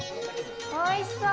おいしそう。